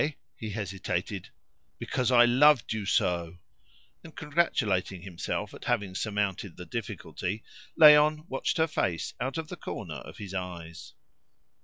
He hesitated. "Because I loved you so!" And congratulating himself at having surmounted the difficulty, Léon watched her face out of the corner of his eyes.